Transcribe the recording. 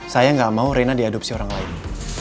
saya nggak mau rina diadopsi orang lain